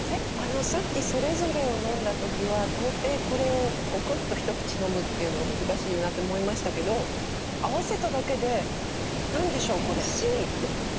さっきそれぞれを飲んだ時は到底これをゴクッと一口飲むっていうの難しいなと思いましたけど合わせただけで何でしょうこれ。